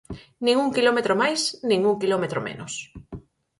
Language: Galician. Nin un quilómetro máis, nin un quilómetro menos.